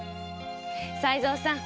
才蔵さん。